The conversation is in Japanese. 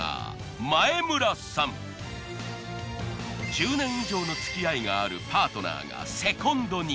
１０年以上の付き合いがあるパートナーがセコンドに。